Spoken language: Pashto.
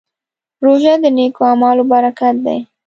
روژه د نېکو اعمالو برکت دی.